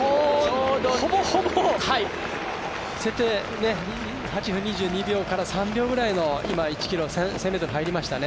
ほぼほぼ設定、８分２２秒から２３秒くらいで１ｋｍ、１０００ｍ入りました。